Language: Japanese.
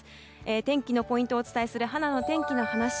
天気のポイントをお伝えするはなの天気のはなし